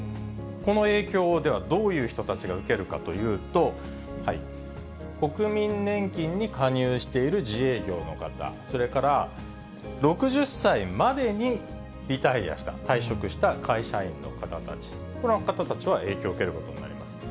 この影響を、ではどういう人たちが受けるかというと、国民年金に加入している自営業の方、それから６０歳までにリタイアした、退職した会社員の方たち、この方たちは影響を受けることになります。